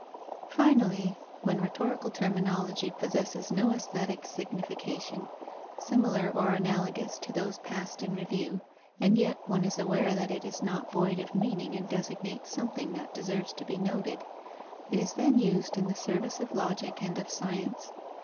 _ Finally, when rhetorical terminology possesses no aesthetic signification similar or analogous to those passed in review, and yet one is aware that it is not void of meaning and designates something that deserves to be noted, it is then used in the service of logic and of science.